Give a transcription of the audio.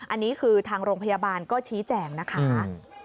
อันนี้คือทางโรงพยาบาลก็ชี้แจงนะคะ